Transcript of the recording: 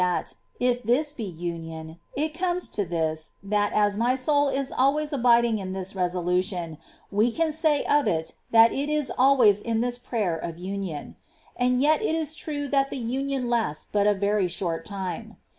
405 that, if this be union, it comes to this, that, as my soul is always abiding in this resolution, we can say of it that it is always in this prayer of union ; and yet it is true that the union lasts but a very short time.